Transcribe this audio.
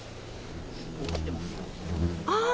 ああ！